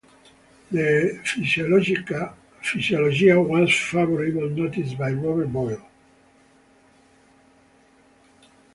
The "Physiologia" was favourably noticed by Robert Boyle.